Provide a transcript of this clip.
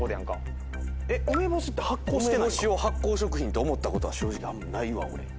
うめぼしを発酵食品って思ったことは正直あんまないわ俺。